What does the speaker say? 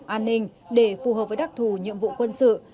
an ninh để phù hợp với đặc thù nhiệm vụ quân sự